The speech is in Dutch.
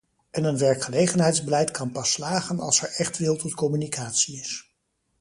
En een werkgelegenheidsbeleid kan pas slagen als er echt wil tot communicatie is.